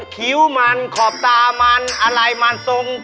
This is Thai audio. คิ้วมันขอบตามันอะไรมันทรง